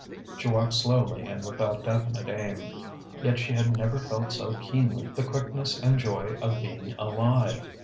She walked slowly and without definite aim; yet she had never felt so keenly the quickness and joy of being alive.